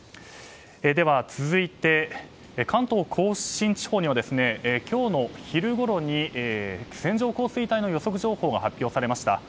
では続いて、関東・甲信地方には今日の昼ごろに線状降水帯の予測情報が発表されました